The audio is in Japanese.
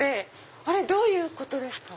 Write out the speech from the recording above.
あれどういうことですか？